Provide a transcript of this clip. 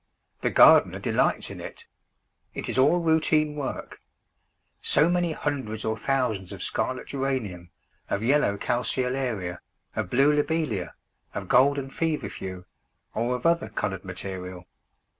The gardener delights in it; it is all routine work; so many hundreds or thousands of scarlet Geranium, of yellow Calceolaria, of blue Lobelia, of golden Feverfew, or of other coloured material.